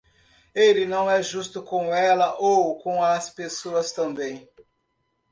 Ele não é justo com ela ou com as pessoas também.